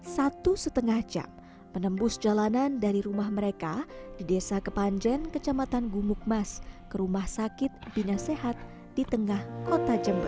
satu setengah jam menembus jalanan dari rumah mereka di desa kepanjen kecamatan gumukmas ke rumah sakit bina sehat di tengah kota jember